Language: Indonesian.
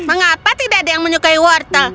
mengapa tidak ada yang menyukai wortel